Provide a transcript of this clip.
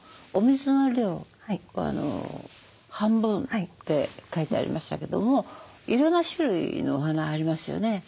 お水の量は半分って書いてありましたけどもいろんな種類のお花ありますよね。